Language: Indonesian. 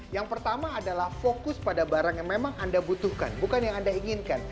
yang pertama adalah fokus pada barang yang memang anda butuhkan bukan yang anda inginkan